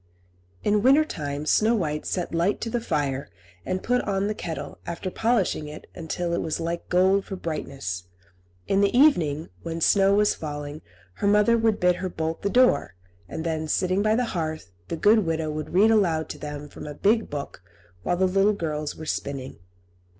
In winter time Snow White set light to the fire, and put on the kettle, after polishing it until it was like gold for brightness. In the evening, when snow was falling, her mother would bid her bolt the door, and then, sitting by the hearth, the good widow would read aloud to them from a big book while the little girls were spinning.